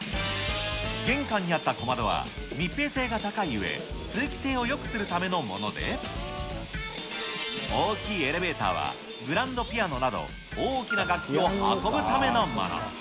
玄関にあった小窓は、密閉性が高いうえ、通気性をよくするためのもので、大きいエレベーターは、グラウンドピアノなど、大きな楽器を運ぶためのもの。